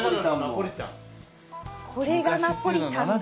これがナポリタンだ。